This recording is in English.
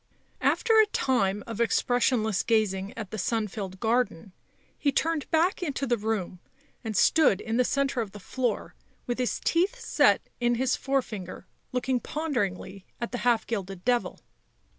After a time of expressionless gazing at the sun filled garden, he turned back into the room, and stood in the centre of the floor, with his teeth set in his forefinger looking ponderingly at the half gilded devil.